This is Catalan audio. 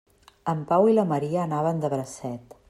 En Pau i la Maria anaven de bracet.